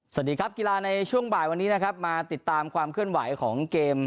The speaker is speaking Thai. สวัสดีครับกีฬาในช่วงบ่ายวันนี้นะครับมาติดตามความเคลื่อนไหวของเกม